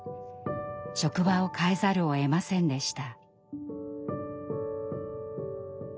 職場を変えざるをえませんでした。